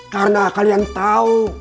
karena kalian tahu